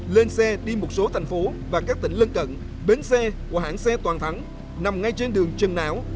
lên xe đi một số thành phố và các tỉnh lân cận bến xe của hãng xe toàn thắng nằm ngay trên đường trần não